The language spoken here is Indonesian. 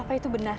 apa itu benar